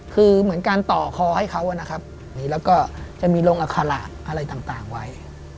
คือเหมือนการต่อคอให้เขานะครับแล้วก็จะมีลงอัคระอะไรต่างไว้